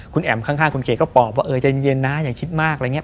คุณแอ๋มข้างคุณเก๋ก็ปอบว่าเออใจเย็นนะอย่าคิดมากอะไรอย่างนี้